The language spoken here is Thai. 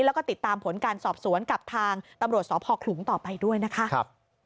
แล้วก็ติดตามผลการสอบสวนกับทางตำรวจสพขลุงต่อไปด้วยนะคะ